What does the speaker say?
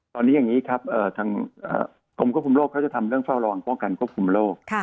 ตอนนี้อย่างนี้ครับทางกรมควบคุมโรคเขาจะทำเรื่องเฝ้าระวังป้องกันควบคุมโรค